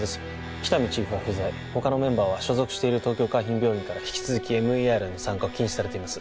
喜多見チーフは不在他のメンバーは所属している東京海浜病院から引き続きＭＥＲへの参加を禁止されています